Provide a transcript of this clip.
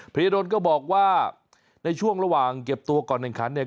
พระเยด้นก็บอกว่าในช่วงระหว่างเก็บตัวก่อนในครั้ง